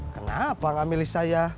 kenapa gak milih saya